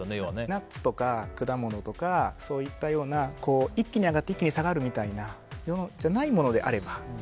ナッツとか果物とかそういったような一気に上がって一気に下がるようなものじゃなければ。